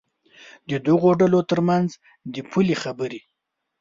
د دغو ډلو تر منځ د پولې خبره.